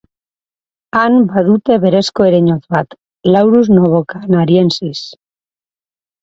Han badute berezko ereinotz bat, Laurus novocanariensis.